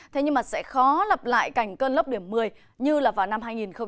thế nhưng sẽ khó lặp lại cảnh cơn lấp điểm một mươi như vào năm hai nghìn một mươi bảy